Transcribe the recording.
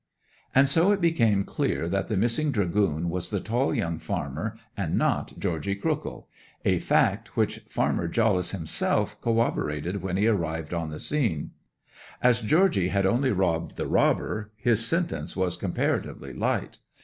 'And so it became clear that the missing dragoon was the tall young farmer, and not Georgy Crookhill—a fact which Farmer Jollice himself corroborated when he arrived on the scene. As Georgy had only robbed the robber, his sentence was comparatively light.